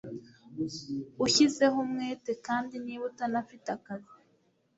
ushyizeho umwete kandi niba utanafite akazi